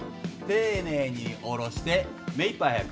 丁寧に下ろして目いっぱい速く。